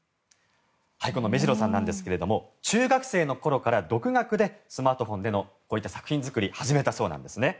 この萌白さんなんですが中学生の頃から独学でスマートフォンでの作品作りを始めたそうなんですね。